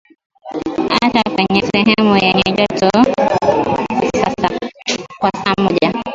acha kwenye sehemu yenye joto kwa saa moja